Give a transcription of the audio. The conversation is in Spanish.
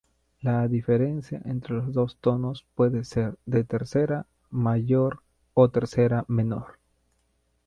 La diferencia entre los dos tonos puede ser de tercera mayor o tercera menor.